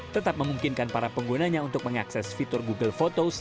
tetap memungkinkan para penggunanya untuk mengakses fitur google photos